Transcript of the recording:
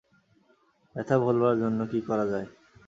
ব্যথা ভোলবার জন্যে কী করা জায়?